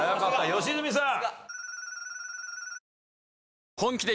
良純さん。